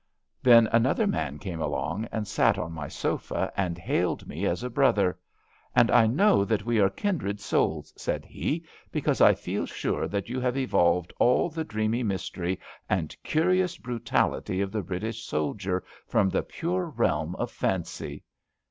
'^ Then another man came along and sat on my sofa and hailed me as a brother. And I know that we are kindred souls,'' said he, ^^ because I feel sure that you have evolved all the dreamy mystery and curious brutality of the British sol dier from the pure realm of fancy."